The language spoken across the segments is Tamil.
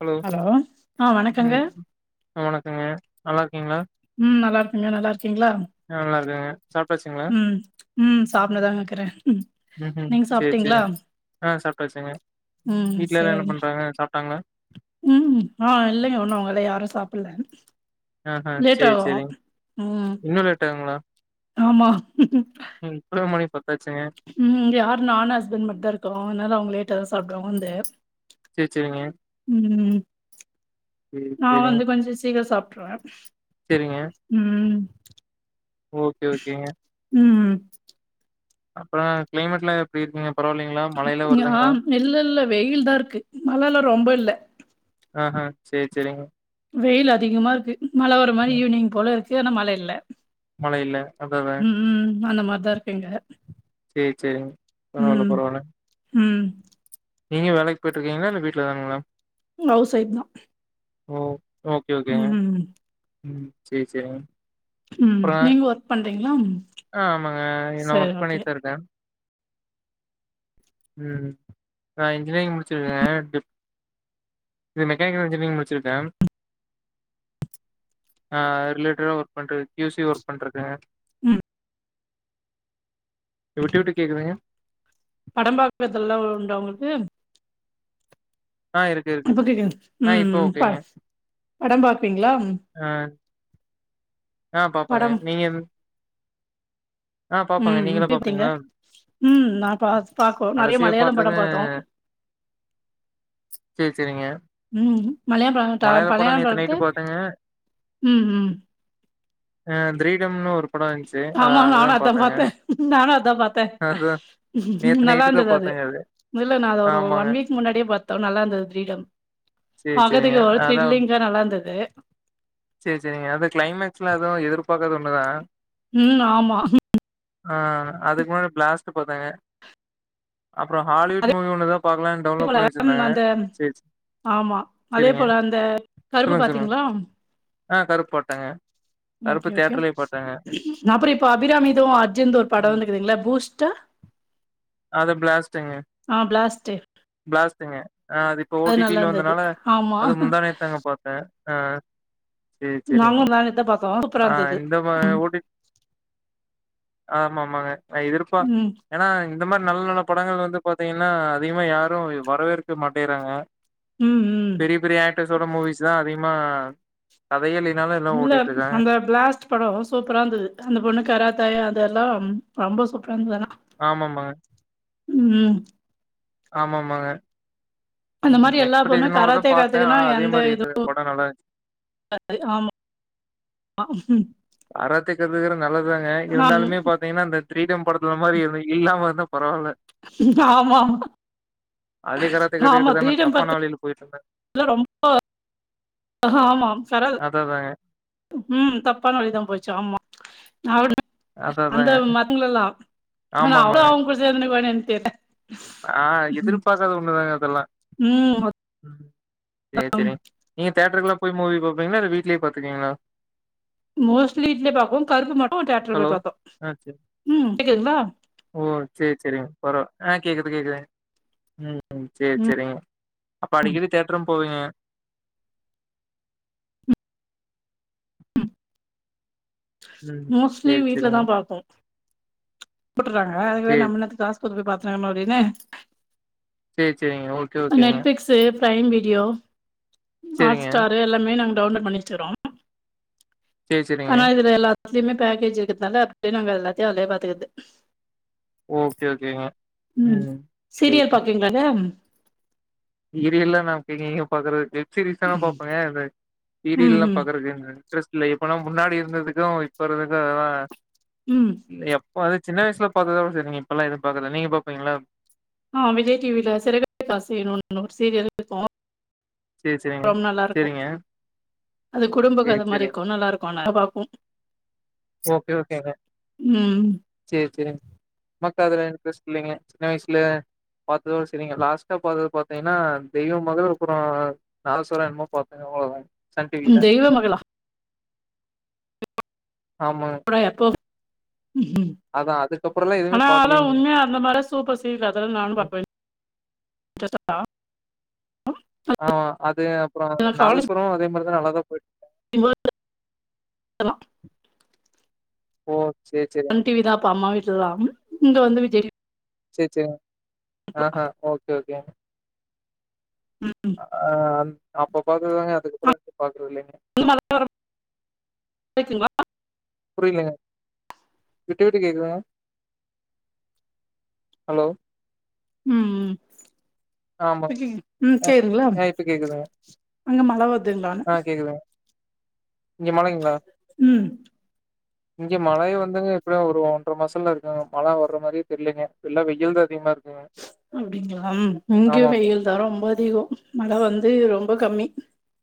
ஹலோ ஆ வணக்கங்க ம் வணக்கங்க நல்லா இருக்கீங்ளா ம் நல்லா இருக்க நீங்க நல்லா இருக்கீங்ளா நல்லா இருக்கங்க சாப்ட்டாச்சுங்களா ம் ம் சாப்ட்னுதாங்க இக்குற ம் ம் சேரி சேரிங் ஆ சாப்ட்டாச்சுங்க ம் வீட்ல எல்லா என்ன சரிங்க பண்றாங்க சாப்டாங்ளா ம் ஆ இல்லைங்க ஒண்ணு அவுங்களா யாரு சாப்பட்ல ஆஹா சேரி சேரிங்க ம் இன்னு லேட்டாகுங்ளா ஆமா இப்பவே மணி பத்தாச்சுங்க ம் யாரு நானு ஹஸ்பண்ட் மட்டுதா இருக்கோ அதனால அவுங்க லேட்டா தா சாப்டுவாங்க வந்து சேரி சேரிங்க ம் சேரி நா வந்து கொஞ்சோ சீக்கர சாப்ட்ருவ செரிங்க ம் ஓகே ஓகேங்க ம் ம் அப்பறோ கிளைமேட்ல்லா எப்டி இருக்குங்க பரவால்லீங்ளா ஆ இல்ல இல்ல வெயில்தா இருக்கு மழல்லா ரொம்ப இல்ல ஆ ஹா செர் செரிங்க வெயில் அதிகமா இருக்கு மழ வர மாரி ம் ஈவினிங் போல இருக்கு ஆனா மழை இல்ல மழ இல்ல அதா அதா உம் உம் அந்த மார்தா இருக்கு இங்க செரி சேரிங்க பரவால பரவாலங்க உம் நீங்க வேலைக்கி போய்ட்டுருக்கீங்களா இல்ல வீட்டுல தானா மேடம் ம் ஹவுஸ் ஒய்ப்தா ஓ ஓகே ஓகே ம் செரி செரிங்க ம் அப்புறோ நீங்க ஒர்க் பண்றீங்களா ஆ ஆமாங்க நா சரி ஒர்க் ஓகே பண்ணிட்தா இருக்கே ம் நா இன்ஜினேரிங் முடிச்சிருக்கே டிப் இது மெக்கானிக்கல் இன்ஜினியரிங் முடிச்சிருக்கே அ ரிலேட்டடா ஒர்க் பண்ற கியூசி ஒர்க் பண்றது ம் ஓகே விட்டு விட்டு ஓகே கேக்குதுங்க படம் பாக்கறதெல்லா உண்டா உங்களுக்கு ஆ இருக்கு ம் இருக்கு புட்டிட் இன் ஆ ம் இப்ப ம் ப ஓகேங்க படம் பாப்பீங்ளா ஆ ஆ பாப்பங்க படம் நீங்க ஆ பாப்பங்க ம் ம் நீங்களா தீப்ட்டி எங்க பாப்பீங்களா ம் நா பா பாக்கோ நறைய கடைசியா மலையாளம் படோ பாத்தது பாத்தோ சேரி சேரிங்க உம் மலைய பழ டா மலையாள படோ பலயாள நேத்து பழுத்து நைட்டு உம் உம் அ திரீடம்னு ஒரு படோ இருந்துச்சு ஆமா நானு அதுதா அதா பாத்தேங்க பாத்தே நானு அதா பாத்தே அதுதா நேத்து நல்லா நைட்டு தா இருந்தது அது பாத்தேங்க இல்ல நா அத ஒரு ஆமாங்க ஒன் வீக் முன்னாடியே பாத்தோம் நல்லா இர்ந்தது த்ரீடம் சேரி சேரிங்க பக்கத்துக்கு ஒரு த்ல்லிங்கா நல்லா இர்ந்தது செரி சேரிங்க அது கிளைமக்ஸ்ல எதுவு எர்பார்காத ஒண்ணுதா உம் ஆமா ஆ அதுக்கு முன்னடி பிளாஸ்ட்டு பாத்தங்க அப்புறோஹாலிவுட் முவி ஒன்னுதா பாக்குவேனு அதே போல அந்த ஆமா அதே சேரிங்க போல அந்த கருப்பு சொல்லுங்க சொல்லுங்க பாத்தீங்களா ஆ கருப்பு போட்டேங்க ஓகே ஓகே அப்புறோ இப்போ அபிராமிது அர்ஜுன்து ஒரு படோ ம் வந்துக்குதுல பூஸ்ட் ட அத பிளாஸ்ட்டுங்க பிளாஸ்ட்டு. பிளாசடுங்க ஆ அது இப்ப நல்லா ஓடிபில இருந்தது. வந்தனால ஆமா. அது முந்தானேது தாங்க பாத்தே சேரி சேரிங்க நாங்களு மேல தா பாத்தோ ஆ இந்த மா ஓ டி பி ஆமாமாங்க எதிர்ப்பா ம். ஏன்னா இந்த மாரி நல்ல நல்ல படங்கள் வந்து பாத்தீங்கன்னா அதிகமா யாரோ வரவேற்க மாட்டுகிறாங்க உம் உம் பெரிய பெரிய ஆக்டர்ஸோட மூவிஸ் தா அதிகமா கதையே இல்லீனாலோ இல்ல அந்த பிளாஸ்ட் படம் சூப்பரா இருந்தது அந்த பொண்ணு கராத்தே அதுல்லாமன ரொம்ப சூப்பரா இருந்ததுதல்லா ஆமா ஆமா உம் ஆமா ஆமாங்க அந்த மாரி எல்லா பொண்ணோ தா கராத்தே பாத்தே காத்துக்குனா ஆனா அதே எந்த மாரி இருந்தது இதுவு படோ நல்லா இருந்துச்சு [inaudible] ஆமா கராத்தே கத்துக்கறது நல்லதுதாங்க ஆனா இருந்தாலுமே பாத் பத்தீங்கனா அந்த கிரீடம் படத்துல மாரி எது இல்லாம இருந்தா பரவால்ல ஆமா ஆமா அதுலயே கராத்தே ஆமா கத்துக்கிட்டு தான கிரீடம் தப்பான வழியில போயிட்டு இருந்தே படத்துல ரொம்ப ஆமா சரல் அதா அதாங்க ம் தப்பான வழிதா போச்சி ஆமா அவளோட அதா அந்த அதாங்க மத்தவங்கள எல்லா ஆனா ஆமா அவுங்க ஆமாங்க அவுங்க கூட சேக்கனு பண்ணியான் தெர்ல ஆ எதிர்பாக்காத ஒண்ணுதாங்க அதெல்லா ம் செரிங்க நீங்க தேட்டருக்குள்ள போய் மூவி பாப்பிங்ளா இல்ல வீட்லியே பாத்துக்குவீங்ளா மோஸ்ட்லி வீட்லயே பாப்போ கருப்பு மட்டு டிராக்டர் போய் ஹலோ பாப் ஆ சேரி பாத்தோ ம் கேக்குதுங்ளா ஓ சேரி சேரிங்க பொரவு ஆ கேக்குது கேக்குது ம் ம் சேர் சேரிங்க அப்ப அடிக்கடி தேட்டரு போவீங்க ம் மோஸ்ட்லி சேரி வீட்ல தா சேரிங்க பாப்போ போட்டற்றாங்க அதுவே சேரி நம்ம என்னாத்துக்கு காசு குடுத்து போய் பாத்துனுக்கனு அப்டின்னு சேரி சேரிங்க ஓகே ஓகேங்க து ப்ரைம் வீடியோ ஹாட் சேரிங்க ஸ்டாரு எல்லாமே நாங்க டவுன்லோட் பண்ணி வச்சறோ சேரி சேரிங்க ஆனா இதுல எல்லாத்துலியுமே பேக்கேஜ் இருக்கற்த்னால அப்டியே நாங்க எல்லாத்தையு அதிலேயே பாத்துக்கிறது ஓகே ஓகேங்க ம் சேரிங்க வேகம் இது இல்ல மேம் நீங்க எங்கெங்கயோ பாக்கறதுக்கு வெப்சிரீஸ் தாங்க ம் பாப்பங்கே இந்த சீரியல்லா ம் பாக்கறதில்லைங்க டிரெஸ்லே இப்ப நம்ம முன்னாடி இருந்ததுக்கு இப்பறதுக்கு அதெல்லா ம் எப்போ அது சின்ன வயசுல பாத்ததோட சேரி நீங்க இப்பலா எது பாக்கல பாப்பீங்ளா ஆ விஜய் டிவில சிறகடிக்க ஆசை ஒன்னு ஙரியல் க்கு சேரி சேரிங்க ரொம்ப நல்லா இருக்கு சேரிங்க அது குடும்ப சேரி கத மாரி சேரிங்க இருக்கு நல்லா இருக்கு நல்லா பாப்போ ஓகே ஓகேங்க ம் சேரி சேரி மத்ததுல இன்ட்ரெஸ்ட் இல்லங்க சின்ன வயசுல பாத்ததோட சேரிங்க லாஸ்ட்டா பாத்தது பாத்தீங்ன்னா தெய்வம் மகள் அப்புறோ நா சொல்ற என்னமோ பாத்தேங்க அவ்ளோதாங்க சன் ம் டிவில தெய்வ மகளா ஆமா தா எப்போ அதுக்கப்புறல்லா எதுவுமே ஆனா அதா பாக்கலைங்க உண்மையக அந்த மாரிலா சூப்பர் சீனு அதெல்லா நானு பாப்பே [inaudible] ஆமா அது அப்புறோ நா காலேஜ் நாதஸ்வரோ அதே மாரிதா நல்லாதா போய்ட்டு [inaudible] ஓ சேரி சேரி சன் டிவி தா அப்ப அம்மா வீட்லலெல்லாம் இங்க வந்து விஜய் சேரி சேரி ஆ ஹா ஓகே ஓகே ம் ம் ஆ அந் அப்ப பாக்குறதாங்க அதுக்கப்புறோ எது பாக்கறதில்லங்க வந்து மலையோரம் [inaudible] ங்ளா புரியலங்க விட்டு விட்டு கேக்குதுங்க ஹலோ ம் ஆமா. ம் அ சேரிங்ளா ஆ இப்ப கேக்குதுங்க. அங்க மழ வருங்கலானு இங்கே மழைங்கலா ம் [inaudible] இங்க மழைய வந்துங்க எப்படியும் ஒரு ஒன்ற மாசம்ல இருக்குங்க மழை வர்ற மாரியே தெரியிலங்க எல்லா வெயில்தா அதிகமா இருக்குங்க அப்டிங்களா இங்கே ஆமாமா. வெயில் தா ரொம்ப அதிகம் மழ வந்து ரொம்ப கம்மி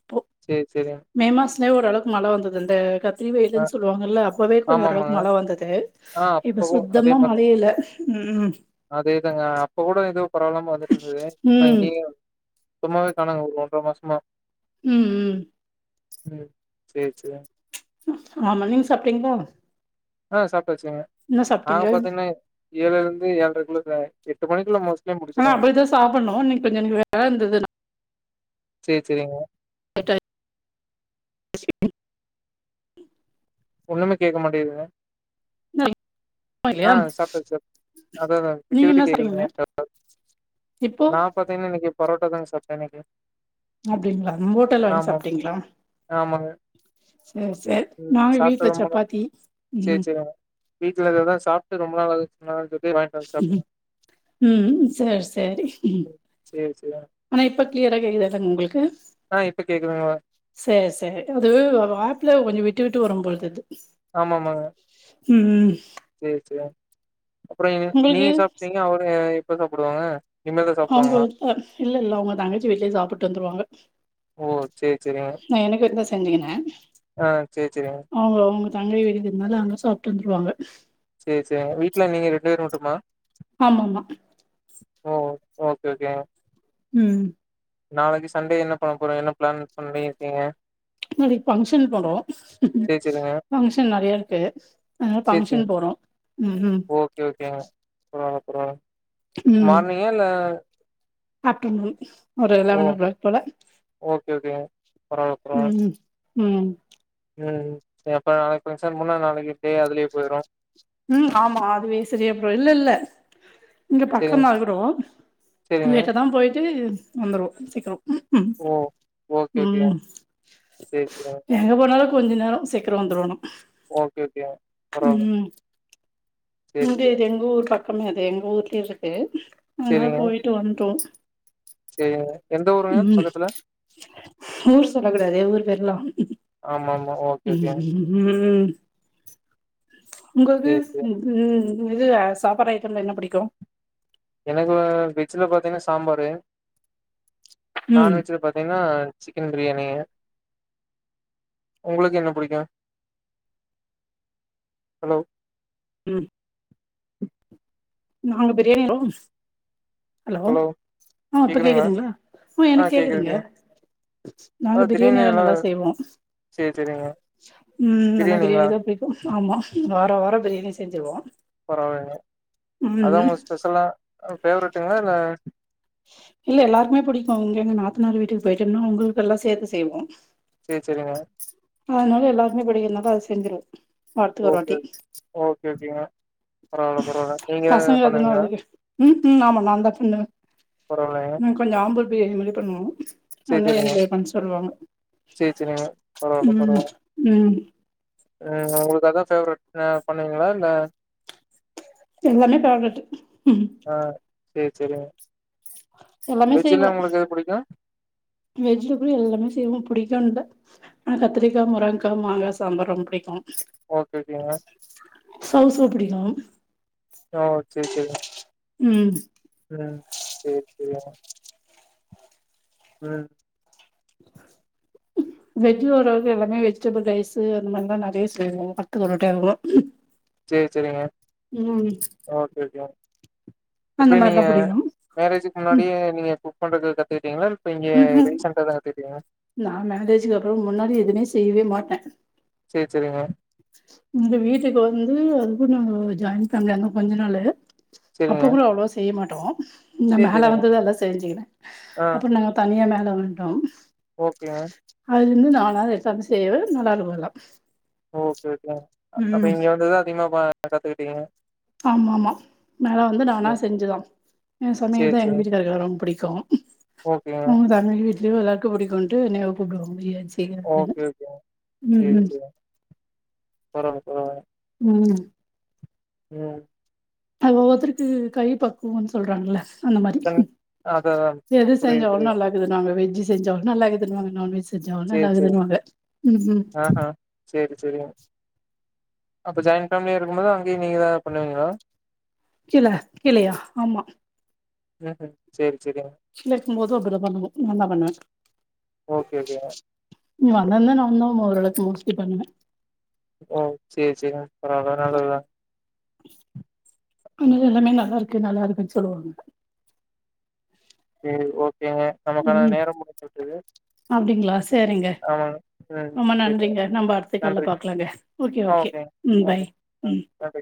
இப்போ சேரி சேரிங்க மே மாசத்துலேயே ஓரளவுக்கு மழ வந்தது இந்த அ கத்திரிவெயிலுன்னு சொல்லுவாங்கல்ல அப்பவே கொஞ்ச ஆமாமாங்க. ஓரளவு மழ வந்தது ஆ இப்ப அப்பவும் அதே சுத்தமா மாரி தான். மழையே இல்ல ம் அதேதாங்க அப்ப கூட ஏதோ பரவலாம வந்துட்டு இருந்தது இப்ப ம் இங்கேயும் சுத்தமாவே காணாங்க ஒரு ஒன்றரை மாசமா ம் ம் ம் சேர் சேரி ஆமா நீங்க சாப்பிட்டீங்களா ஆ சாப்டாச்சுங்க நாங்க சாப்ட்டீங்க பாத்தீங்கன்னா ஏழு இருந்து ஏழரைக்குள்ள எட்டு மணிக்குள்ள மோஸ்லி ஆனா அப்டித்தான் சாப்பிடணும் ஆனா இன்னைக்கு கொஞ்சம் வேலை இருந்தது சேரி சேரிங்க ஸ்கிப்பிங் ஒண்ணுமே கேக்க மட்டேங்குதுங்க ஆ இல்லையா சாப்டாச்சு சாப் அதான் அதான் விட்டு நீங்க விட்டு என்ன கேக்குதுங்க சாப்ட்டீங்கன்ன ஏதோ இப்போ நா பாத்தீங்கன்னா இன்னைக்கு பரோட்டா தாங்க சாப்பிட்டேன் இன்னைக்கு அப்டிங்களா ஓட்டல்ல வாங்கி ஆமா, சாப்புட்டீங்களா ஆமாங்க சேர் சேரி ம். நாங்க வீட்டுல சப்பாத்தி ம் வீட்டுல இததான் சாப்பிட்டு ரொம்ப நாள் ஆகுது சொன்னாங்கன்னு சொல்லி வாங்கிட்டு வந்து சாப்பிட்டேன் ம் சேர் சேரி சேரி சேரியா ஆனா இப்ப கிளியரா கேக்குதாங்க உங்களுக்கு ஆ இப்ப கேக்குதுங்க சேர் சேரி அது ஒரு ஆப்ல கொஞ்சம் விட்டு விட்டு வரும் போல தெரியுது ஆமா ஆமாங்க ம் ம் ம் சேரி சேரி அப்புறம் உங்களுக்கு நீங்க சாப்பிட்டீங்க அவனுக எப்ப சாப்பிடுவாங்க இனிமேல் தான் அவங்க சாப்பிடுவாங்களா? இல்ல இல்ல அவங்க தங்கச்சி வீட்லையே சாப்பிட்டு வந்துருவாங்க ஓ சேரி சேரிங்க நா எனக்கு இருந்த செஞ்சுக்கின்னே ஆ சேரி சேரிங்க அவுங்க அவங்க தங்கை வீடு இருக்கறதுனாலே அங்க சாப்பிட்டு வந்துருவாங்க சேரி சேரிங்க வீட்டுல நீங்க ரெண்டு பேரும் மட்டும்மா ஆமா ஆமா ஓ ஓ ஓகே ஓகே ம் நாளைக்கு சண்டே என்ன பண்ண போறிங் என்ன பிளான் பண்ணியிருக்கீங்க நாளைக்கு பங்க்ஷன் போறோம் சேரி சேரிங்க. பங்க்ஷன் நெறைய இருக்கு அதுனால சேரி சேரி. பங்க்ஷன் போறோம் உம் ம் ஓகே ஓகேங்க பரவாயில்ல பரவாயில்ல மார்னிங்கா இல்லே ஆஃப்டநூன் ஒரு ஓ லெவன் னோ கிளாக் போல ஓகே ஓகேங்க. பரவால்ல பரவால்ல. ம் ம் ம் சேரி அப்றோ நாளைக்கு ஃபங்க்ஷன் பேன்னா நாளைக்கு டே அதுலயே போயிரும் ம் ஆமா அதுவே சரியாபோவும் இல்ல இல்ல இங்கே சரிங்க பக்கந்தான் இருக்கிறோம் சரிங்க. லோட்ட தான் போயிட்டு வந்துருவோம் சீக்கிரோ ஓ ஓகே ம் ஓகேங் சேரிங்க எங்க போனாலும் கொஞ்ச நேரம் சீக்கிரம் வந்துடுணும் ஓகே ஓகேங்க பரவால்ல. ம் மு சேரி சேரிங்க. இது எங்க ஊர் பக்கமே அது எங்க ஊர்லயே இருக்குது அதனால போயிட்டு வந்துருவோம் செ எந்த ஊருங்க பக்கத்துல ஊர் சொல்ல கூடாது எங்க ஊர் பெர்ல்லா ஆமாம் ம் உங்களுக்கு சேரி சேரி. இது சாப்பாடு ஐட்டோம்ல என்ன பிடிக்கோ எனக்கு வெஜ்ஜில பாத்தீங்கன்னா சாம்பாரு நான் ம் வெஜ்ஜில பாத்தீங்கன்னா சிக்கன் பிரியாணிங்க உங்களுக்கு என்ன பிடிக்கு ஹலோ ம் நாங்க பிரியாணி ஹலோ ஆ இப்ப கேக்குதுங்களா ஆ எனக்கு கேக்குதுங்க நாங்க அதா திடீர்னு பிரியாணில்லா எல்லா நல்லா செய்வோ சேரி சேரிங்க ம் நா பிரியாணிங்களா பிரியாணி தா புடி ஆமா வாரோ வாரோ பிரியாணி செஞ்சிடுவோ பரவா இல்லைங்க அதா உங்களுக்கு ஸ்பெஷலா ஃபேவரட்டுங்களா இல்ல இல்ல எல்லாருமே பிடிக்கோ உங்க எங்க நாத்தனாரு வீட்டுக்கு போயிட்டோம்னா உங்களுக்க எல்லா சேத்து செய்வோ செரி செரிங்க அதனால எல்லாருக்குமே பிடிக்கனாலே அது செஞ்சிருவோ வாரத்துக்கு ஓ ஒரு ஓகே வாட்டி ஓகே ஓகே ஓகேங்க பரவாயில்ல பரவால்ல நீங்க ஏதாவ பசங்க பண்ணுவீங்களா அதுனால ம் ம் ஆமா நா தா பண்ணுவே பரவாயில்லைங்க கொஞ்சோ ஆம்பூர் பிரியாணி மாரி பண்ணுவோ சேரி நல்லா சேரிங்க [unintelligible] பண்ண சொல்லுவாங்க சேரி சேரிங்க பரவால்ல ம் பரவால்ல ம் ம் உங்களுக்கு அதா பேவரட் பண்ணீவிங்களா இல்ல எல்லாமே பேவரெட் ஆ செரி செரிங்க எல்லாமே செய்வோ வெஜ்ல்லா உங்களுக்கு எது புடிக்கோ வெஜ்ல கூட எல்லாமே செய்வோ புடிக்கோ இல்ல ஆ கத்திரிக்கா முருங்கக்கா மாங்கா சாம்பார் ரொம்ப புடிக்கோ ஓகே ஓகேங்க சௌசௌ புடிக்கோ ஆ செரி செரி ம் ம் செரி செரிங்க ம் வெஜ் ஓரளவுக்கு எல்லாமே வெஜிடபிள் ரைஸு அந்த மாரி தா நெறைய செய்வோங்க வாரத்துக்கு ஒரு டைமு செர் செரிங்க ஓகே ஓகே அந்த எப்டி நீங்க மாரிலா புடிக்கு மேரேஜ்க்கு ம் முன்னாடியே நீங்க குக் பண்றது கத்துக்கிட்டீங்களா இல்ல இப்ப இங்க ரீசண்டா தா கத்துக்கிட்டீங்களா நான் மேரேஜக்கு அப்பறோ முன்னாடி எதுவுமே செய்யவே மாட்ட சேர் செரிங்க இந்த வீட்டுக்கு வந்து [unintelligible] நா ஜாயின் ஃபேமலியாந்தோ கொஞ்ச நாளு அப்போ சரிங்க. கூட அவ்ளோவா செய்ய மாட்டோ இந்த சரி, மேல சரிங்க. வந்துதா எல்லா தெரிஞ்சுகின்ன ஆ. அப்ப நா தனியா மேல வண்ட்டோ ஓகேங்க அதிலிந்து நாளாது எட்டாது [unintelligible] ஓ ஓகே ஓகே அப்ப இங்க வந்துதா அதிகமா பா கத்துக்கிட்டீங்க ஆமாம்மா மேலா வந்து நானா சரி, செஞ்சு தா என் சமையல் சரி, தா எங் சரி. வீட்க் காருக்கு ரொம்ப பிடிக்கு ஓகேங்க. உங்க [unintelligible] வீ்ட்லயே எல்லாருக்கு புடிக்கும்ன்ட்டு என்னைய கூப்டுவாங்க பிரியன் செய் ஓகே ஓகேங்க சேர் செரிங்க பரவாயில்ல பரவாயில்ல ம் ம் அது ஒவ்வொத்தருக்கு கை பக்குவம்ன்னு சொல்றாங்கள அந்த மாரி கண் அதான், அதான். எது புரியுது, செஞ்சலு புரியுது. நல்லா அது நாங்க வெஜ்ஜூ செஞ்சலு நல்லாக்குதுன்வாங்க நான்வெஜ் செஞ்சலு சரி, நல்லாக்குதுன்வாங்க ம் ம் சேரி செரி அப்ப ஜாயண்ட்ஃபேலியா இருக்கம் போது அங்கய நீங்கத கீழ கீழயா ஆமா ம் செரி செரிங்க கீழருக்கும் போது அப்டிதா பண்ணனு நான்தா பண்ணுவ ஓகே, ஓகேங்க. [unintelligible] ஓரளவுக்கு முடிச்சுட்டு பண்ணுவ ஓ செரி செரி [unintelligible] நல்லதுதா ஆன ம். எல்லாமே நல்லா இருக்கு நல்லா இருக்குன்னு சொல்லுவாங்க ம் ஓகேங்க நமக்கான ம் நேரம் முடிந்துவிட்டது அப்டிங்களா செரிங்க ம். ரொம்ப சரிங்க. நன்றிங்க நம்ம அடுத்துக்கால்ல நன்றி. பாக்கலாங்க ஓகே ஆ ஓகே ஓகேங்க. ம் ஓகே. பாய் ஆ ம் நன்றி.